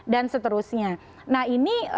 dan seterusnya nah ini